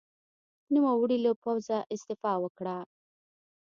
نوموړي له پوځه استعفا وکړه.